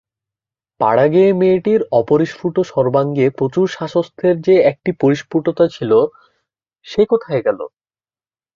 পাড়াগেঁয়ে মেয়েটির অপরিস্ফুট সর্বাঙ্গে প্রচুর স্বাসেথ্যর যে একটি পরিপুষ্টতা ছিল, সে কোথায় গেল?